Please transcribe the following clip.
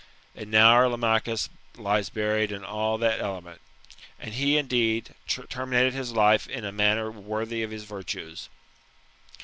And now our Lamachus lies buried in all that element. And he, indeed, terminated his life in a manner worthy of his virtues.